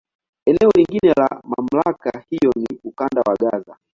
Eneo lingine la MamlakA hiyo ni Ukanda wa Gaza.